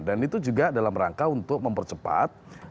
dan itu juga dalam rangka untuk mempercepat